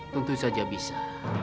tentu saja bisa